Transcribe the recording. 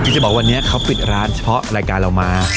จะบอกวันนี้เขาปิดร้านเฉพาะรายการเรามา